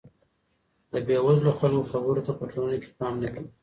د بې وزلو خلګو خبرو ته په ټولنه کي پام نه کیږي.